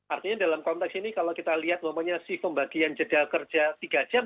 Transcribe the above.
artinya dalam konteks ini kalau kita lihat si pembagian jeda kerja tiga jam